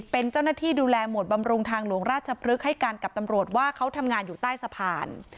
เป็นเจ้าหน้าที่ดูแลหมวดบำรุงทางหลวงราชพฤกษ์ให้การกับตำรวจว่าเขาทำงานอยู่ใต้สะพาน